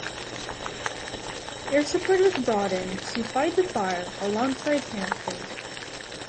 Air support was brought in to fight the fire alongside hand crews.